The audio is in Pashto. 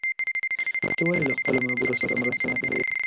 ته ولې له خپلو ملګرو سره مرسته نه کوې؟